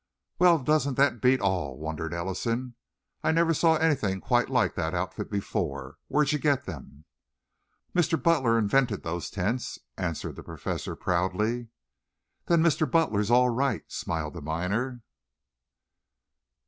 "Well, doesn't that beat all?" wondered Ellison. "I never saw anything quite like that outfit before. Where'd you get them?" "Mr. Butler invented those tents," answered the Professor proudly. "Then Mr. Butler's all right," smiled the miner.